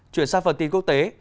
chuyển sang phần tin quốc tế